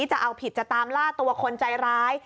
จะเอาผิดจะตามล่าตัวคนใจร้าย